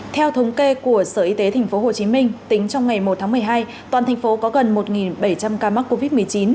theo thống kê của sở y tế tp hcm tính trong ngày một tháng một mươi hai toàn thành phố có gần một bảy trăm linh ca mắc covid một mươi chín